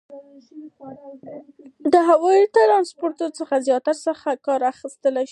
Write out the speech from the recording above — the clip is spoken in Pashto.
د هوایي ترانسپورتي څخه زیاتره څه کار اخیستل کیږي؟